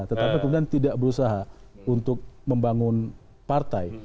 tetapi kemudian tidak berusaha untuk membangun partai